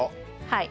はい。